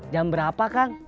jam berapa kang